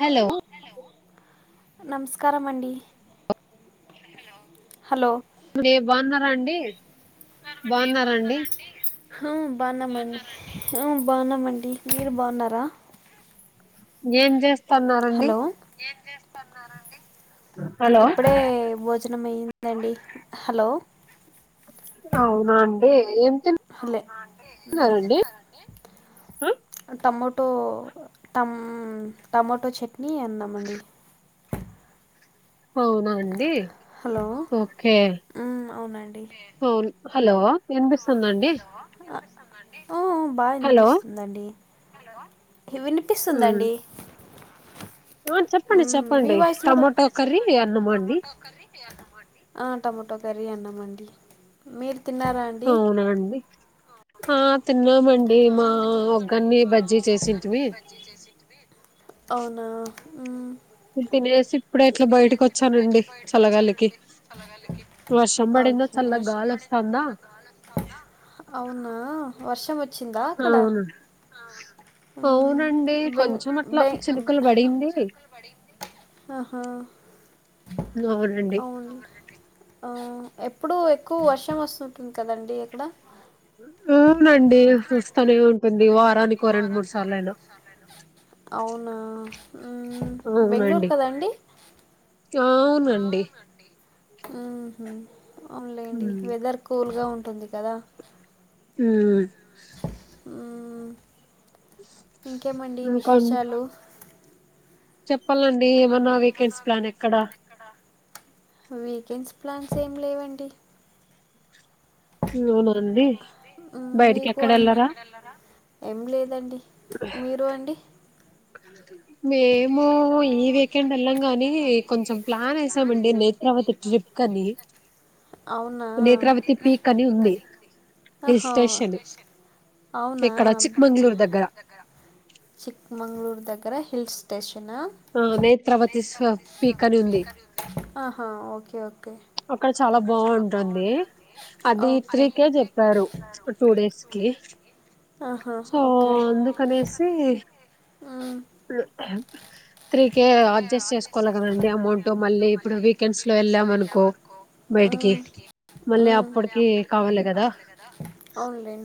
hello నమస్కారమ అండి hello బాగున్నారండి అండి బాగున్నారా అండి అ బాగున్నామండి బాగున్నామండి మీరు బాగున్నారా ఏం చేస్తున్నారండి ఇప్పుడే భోజన భోజనం అయింది అండి హలో అవునండి ఎం [unintelligible] టో టమ్ టమటో చట్నీ అన్నం అండి అవునా అండి ఓకే హలో వినిపిస్తుందా ఓ బా వినిపిస్తుందిండి వినిపిస్తుందండి మీ వయసు కూడా ఆ టమోటా సరే అన్నమండి మీరు అవునా అండి ఆ తిన్నామండి మా ఒకన్ని బజ్జి చేసింటివి అవునా ఇ ఇప్పుడే ఇట్లా బయటకి వచ్చానండి చల్లగాలికి వర్షం పడింద చల్లగా గాలి వస్తు అందా అవునా వర్షం అవును అవునండి కొంచెం అట్లా చినుకులు పడింది ఆహా అవును ఎప్పుడు ఎక్కువ వర్షం వస్తుంటుంది కదండి ఉమ్ అండి వస్తానే ఉంటుంది వారానికి రెండు మూడు సార్లు అయినా ఉమ్ బెంగళూరు కదాండి అవునండి ఉమ్ అవునులేండి వెదర్ కూల్గా ఉంటుంది కదా ఉమ్ ఆ ఇంకేమండి విశేషాలు చెప్పాలండి ఏమన్నా వీకెండ్స్ ప్లాన్ ఎక్కడ వీకెండ్స్ ప్లాన్స్ ఏం లేవండి అవుననండి మీకు అండి ఏం లేదండి మీరు అండి అదే మేము ఈ వీకెండ్ వెళ్ళం గాని కొంచెం ప్లాన్ వేసాం అండి నేత్రవతి ట్రిప్ కనీ అవునా ఆహో అవునా చిక్ మంగళూర్ దగ్గర హిల్స్ స్టేషన్ నా ఆహా ఓకే ఓకే అక్కడ చాలా బాగుంటుంది అది త్రీ కేే చెప్పారు టూ డేస్ సో అందుకనేసి త్రీ కే అడ్జస్ట్ చేసుకోవాలి కదండి అమౌంట్ మళ్ళీ ఇప్పుడు వీకెండ్స్ లో వెళ్ళాం అనుకో ఆ ఆ ఆ అవున్లెం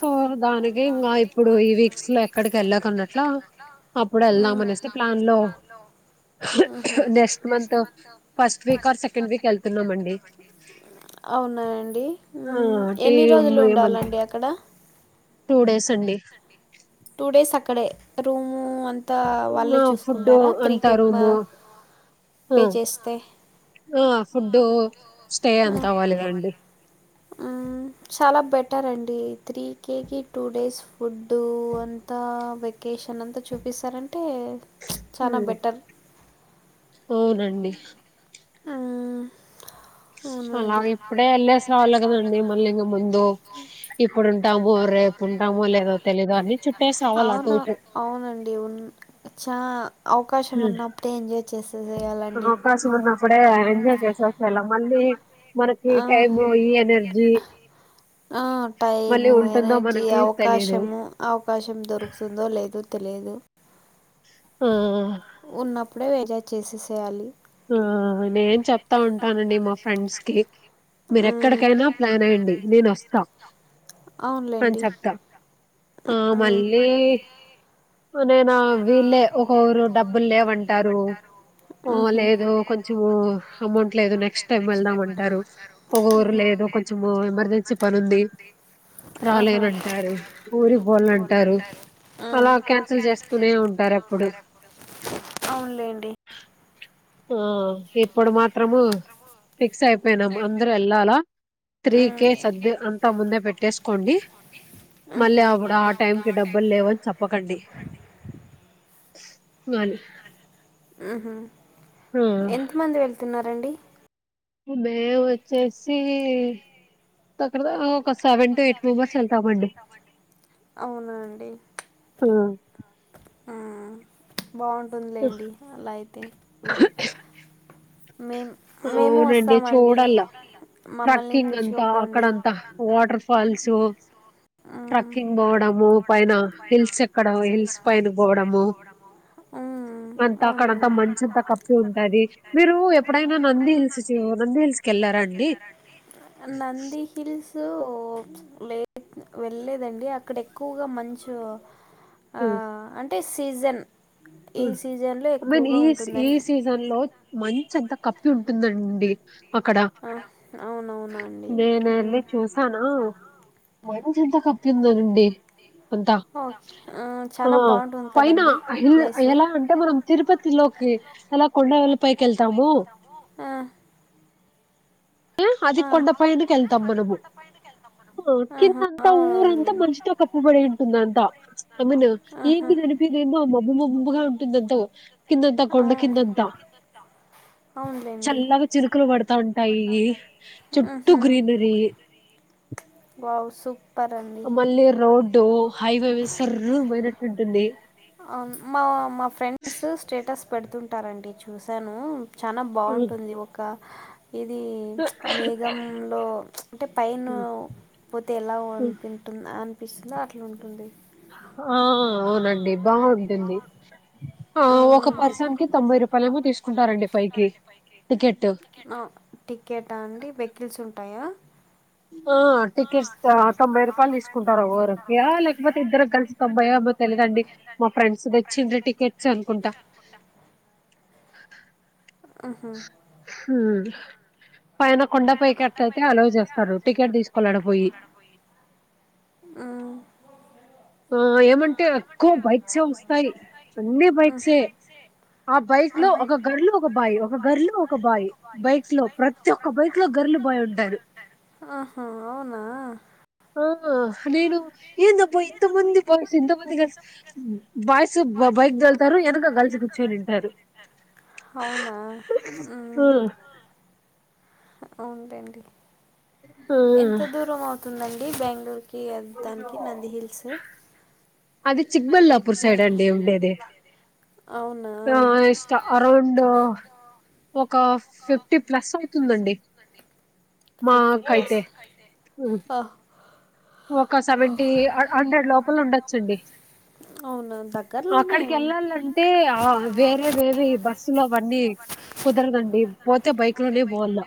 సో దానికే ఇంగా ఇప్పుడు ఈ వీక్స్ లో ఎక్కడికి వెళ్ళకన్నట్లా అప్పుడు వెళ్దామని గమనిస్తే ప్లాన్లో ఉహు next month first week or second week మండి అవునాయండి హుమ్ ఎన్ని రోజులు ఉండాలండి అక్కడ టూ డేస్ అండి ఇక్కడే రూమ్ అంతా వాల్ ఆ ఫుడ్డు అంత రూము ఆ ఆ ఫుడ్ స్టే అంత వాళ్ళదే అండి చాలా బెటర్ అండి త్రీకేకి టూ డేస్ ఫుడ్ అంతా వెకే వెకేషన్ అంతా చూపిస్తారని హ అవునండి అలాగ ఇప్పుడే వెళ్ళేసి రావాల్ల కదండి మళ్ళీ ఇంగ ముందు ఇప్పుడుంటాము రేపు ఉంటామో లేదో తెలీదో అని చుట్టేసి రావాల అటు ఇటు చ్చా ఉమ్ అవకాశం ఉన్న అప్పుడే ఎంజాయ్ చేసా ఇలా మళ్ళీ మనకి టైము ఈ ఎనర్జీ ఆ టైము ఎనర్జీ అవకాశము అవకాశం దొరుకుతుందో లేదొ తెలిదు ఆహు ఉన్నప్పుడే వేరా చేసేసేయాలి ఆ నేను చెప్తా ఉంటానండి మా ఫ్రెండ్స్ కి మీరెక్కడికైనా ప్లాన్ ఎయ్యండి నేను వస్తా అన్ చెబ్దా ఆ మళ్ళీ నేనా వీళ్ళే ఒక ఊరు డబ్బులు లేవంటారు ఆ లేదు కొంచము అమౌంట్ లేదు నెక్స్ట్ టైమ్ వెళ్దామంటారు ఒక ఊరు లేదు కొంచెం ఎమర్జెన్సీ పని ఉంది రాలేను అంటారు ఊరికి పోల్ల అంటారు అలా క్యాన్సిల్ చేస్తూనే ఉంటారు అప్పుడు ఆ ఇప్పుడు మాత్రము ఫిక్స్ అయిపోయినాం అందరూ వెళ్ళాలా త్రీ కే సద్దు అంతా ముందే పెట్టేసుకోండి మళ్ళీ అవిడ ఆ టైం కి డబ్బులు లేవని చెప్పకండి మరి ఎంత మంది వెళ్తున్నారండి మేము వచ్చేసి తక్కడ అవునా అండి బాగుంటుందిలేండి అలా అయితే మీ అవునండి చూడాల ట్రక్కింగ్ అంతా అక్కడంతా వాటర్ వాటర్ ఫాల్స్ ట్రెక్కింగ్ పోవడము పైన హిల్స్ ఎక్కడం హిల్స్ పైన పోవడము అంతా అక్కడంతా మంచ్ అంతా కప్పి ఉంటది మీరు ఎప్పుడైనా నంది హిల్స్ నంది హెల్స్కి వెల్లర అండి నంది హిల్స్ లే వెళ్లేదండి అక్కడ ఎక్కువగా మంచు అంటే సీజన్ మన్ ఈ ఈ సీజన్ లో మంచ్ ఎంత కప్పి ఉంటుందండి అక్కడ నేను వెళ్ళి చూసాను మంచు అంత కప్పి ఉందానండి అంతా ఆ పైనా హల్ ఎలా అంటే మనం తిరుపతిలోకి ఎలా కొండవల పైకి వెళ్తాము అది కొండ పైనకి వెళ్తాం మనము అ కిందంతా ఊరంతా మనిషితో కప్పుబడి ఉంటుంద అంతా ఐ మన్ ఏ అనిపింది ఏందో మొబ్బు మబగా ఉంటుందంతా కిందంత కొండా కిందంత చల్లగా చిరుకులు పడుతా ఉంటాయి చుట్టు గ్రీనరీ వావ్ సుప్ మళ్ళీ రోడ్డు హైవే మీద సూర్ పోయినట్టుంటుంది అ మా మా ఫ్రెండ్స్ స్టేటస్ పెడుతుంటారండి చూసాను చాల బాగుంటుంది ఒక ఇది మేఘంలో అంటే పైను పోతే ఎలా అంటు అనిపిస్తుందో అట్లా ఉంటుంది ఆ అవునండి బాగుంటుంది ఆ ఒక పర్సన్ కి తొంబై రూపాయలమో తీసుకు కుంటారండి పైకి టికెట్ టికెటా అండి వెకిల్స్ ఉంటాయా ఆ టికెట్స్ తొంభై రూపాయలు తీసుకుంటారు ఒకరిక లేకపోతే ఇద్దరు కల్సి తొంబై రో తెలిదండి మా ఫ్రెండ్స్ తెచ్చిండ్రు టికెట్స్ అనుకుంటా హ పైన కొండపైకట్యితే అల్లఓ చేస్తారు టికెట్ తీసుకోవాలి అదా పోయి ఆ ఆ ఏమంటే ఎక్కువ బైక్సే ఏ వస్తాయి అన్ని బైక్సే ఏ ఆ బైక్ లో ఒక గర్లు ఒక బాయి్ ఒక గర్లు ఒక బాయి్ బైక్ లో ప్రతి ఒక్క బైక్ లో గర్లు బాయ్ ఉంటారు ఆహా అవునా ఆ నేను ఏందబయి ఇంత మంది బాస్ ఇంతమంది గర్ల్స్ బాయస్ అవునా మ్ మ్ అవునులేండి ఎంత దూరం అవుతుందండి బెంగళూరు అది చిక్బల్లాపూర్ సైడ్ అండి ఉండేది ఆ ఇష్ట అరౌండ్ ఒక ఫిఫ్టీ ప్లస్ అవుతుందండి మా కైతే ఒక సెవెంటీ హండ్రెడ్ లోపల ఉండొచ్చండి అక్కడికి వెళ్ళాలంటే ఆహ్ వేరే వేవీ బస్ బస్సు లో అవన్నీ కుదరదండి పోతే బైక్ లోనే పోవల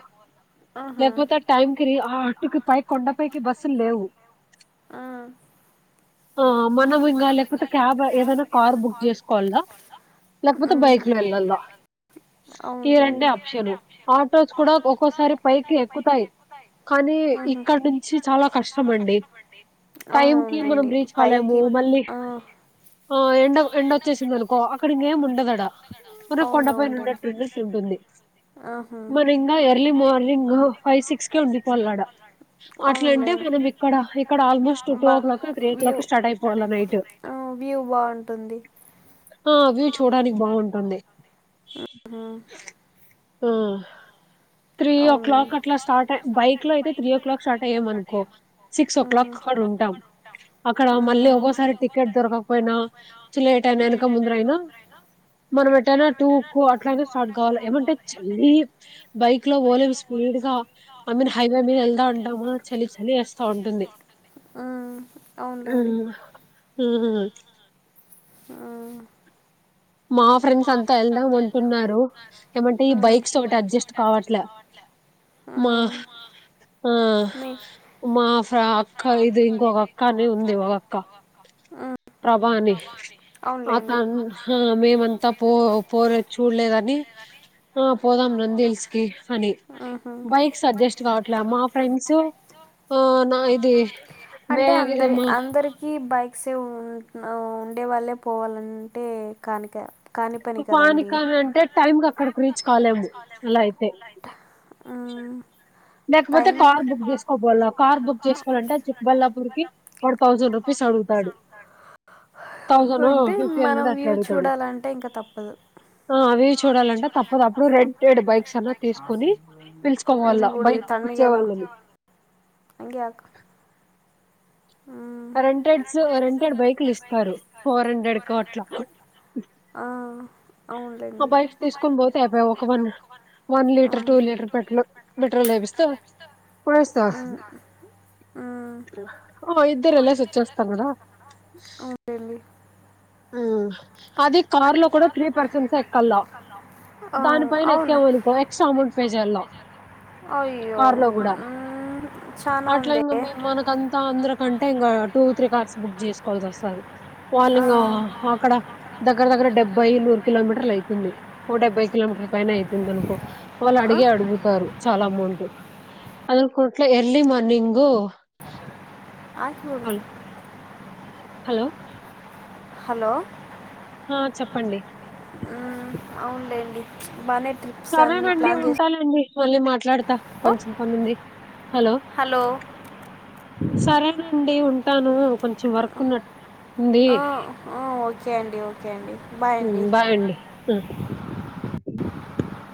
లేకపోతే ఆ టైంకి రీ ఆహ్ ఆటుకి పై కొండపైకి బస్సులు లేవు మనం ఇంగా లేకపోతే క్యాబ్ ఏదైనా కార్ బుక్ చేసుకోవాలా లేకపోతే బైక్ లో వెళ్ళాల ఈ రెండే ఆప్షన్ ఆటోస్ కూడా ఒక్కోసారి పైకి ఎక్కుతాయి కానీ ఇక్కడ్ నుంచి చాలా కష్టం అండి టైం కి మనం రీచ్ కాలేము ఆహ్ ఆ ఎండ ఎండ వచ్చేసింది అనుకో అక్కడ ఇంకేం ఉండదడా పుర కొండపైన ఉన్నట్టు ఉండేసి ఉంటుంది మనరి ఇంకా ఎర్లీ మార్నింగ్ ఫైవ్ సిక్స్ కె ఉండిపోవాలిడ అట్ల అంటే మన ఇక్కడ ఇక్కడ almost two o'clock three o'clock start అయిపోంది ఆహ్ వ్యూ బాగుంటది ఆహ్ వ్యూ చూడానికి బాగుంటుంది ఆహ్ త్రీ ఓ క్లాక్ అట్లా స్టార్ట్ బైక్ లో అయితే త్రీ ఓ క్లాక్ స్టార్ట్ అయ్యాము అనుకో సిక్స్ క్లాక్ ఆడ ఉంటాము అక్కడ మళ్ళీ ఒకోసారి టికెట్ దొరకకపోయినా లేట్ అయినా వెనక ముందర అయినా మనం ఎట్టైనా టూ కు అట్లాయినా స్టార్ట్ కావాలి ఏమంటే చల్లి బైక్ లో పోలేము స్పీడ్ గా ఐ మీన్ హైవే మీద వెళ్దా ఉంటామా చలి చలి వేస్తా ఉంటుంది ఉమ్ ఆహా ఆహ్ మా ఫ్రెండ్స్ అంతా వెళ్దాంమంటున్నారు ఏమంటే ఈ బైక్స్ ఒకటి అడ్జెస్ట్ కావట్లే మా ఆ మా ఫ్రా అక్క ఇది ఇంకొక అక్కనే ఉంది ఒక అక్క ప్రభ అని అతన ఆహ్ మేమంతా పో పోర చూడలేదని ఆ పోదాం రండెల్స్కి అని బైక్స్ అడ్జెస్ట్ కావట్లే మా ఫ్రెండ్స్ ఆ నా ఇదది మే మా సేవ్ ఉ ఉండే వాళ్ళే పోవాలంటే కానిక పానిక అంటే టైం కి అక్కడకి రీచ్ కాలేము అలా అయితే లేకపోతే కార్ బుక్ చేసుకోపోల కార్ బుక్ చేసుకోవాలంటే చిక్బల్లాపూర్ కి ఫన్ థౌసండ్ రూపీస్ చడుగుతాడు థౌసండ్ ఫిఫ్టీ హండ్రెడ్ అట్లా అడుగుతాడు అవి చూడాల చూడాలంటే [inaudible] బైక్స్ అవి తీసుకొని తన్వి గదా రెంటెడ్స్ రెంటెడ్ బైకులు ఇస్తారు ఫోర్ హండ్రెడ్ కు అట్లా అ ఒక బైకి తీసుకొని పోతె అయిపో అబ ఒక మన్ one litre two litre petrol petrol వేయిపిస్తే అ ఓ ఇద్దరెల్లి [unintelligible] ఆ అది కార్ లో కూడా త్రీ పర్సన్స్ ఎక్కాల దాని పైన ఎక్కామ అనుకో ఎక్స్ట్రా అమౌంట్ పేజైల కారు లో కూడా అట్లా ఇంగ మేము మనకంతా అందరికంటే ఇంగా టూ త్రీ కార్స్ బుక్ చేసుకోవాల్సి వస్తది ఆవు అక్కడ దగ్గర దగ్గర డెబ్బై నూరు కిలోమీటర్ లైతుంది ెబ్బై కిలోమీటర్ పైన అయితుంది అనుకో వాళ్ళు అడిగే అడుగుతారు చాలా [unintelligible] ఎర్లీ మార్నింగ్ ఉ [unintelligible] హలో హలో మ్ అవునులేండి బానే సరేనండి ఉంటాలండి మళ్ళీ మాట్లాడతా కొంచెం పనుంది హలో సరేనండి ఉంటాను కొంచెం వర్క్ ఉన్నట్టు అ అవు ఓకే అండి ఓకే అండి బాయ్ అండి [inaudible]